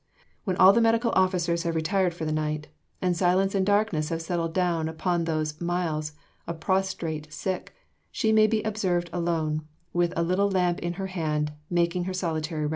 When all the medical officers have retired for the night and silence and darkness have settled down upon those miles of prostrate sick, she may be observed alone, with a little lamp in her hand, making her solitary rounds.